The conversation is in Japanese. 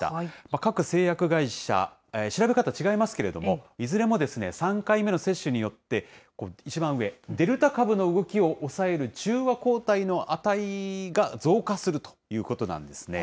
各製薬会社、調べ方、違いますけれども、いずれも３回目の接種によって、一番上、デルタ株の動きを抑える中和抗体の値が増加するということなんですね。